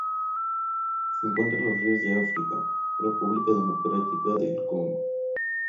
Se encuentran en ríos de África:República Democrática del Congo.